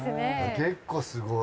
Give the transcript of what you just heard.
結構すごい。